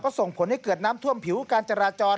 ส่งผลให้เกิดน้ำท่วมผิวการจราจร